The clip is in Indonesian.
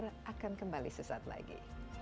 kita akan kembali sesaat lagi